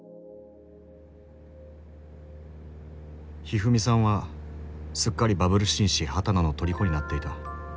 ひふみさんはすっかりバブル紳士波多野の虜になっていた。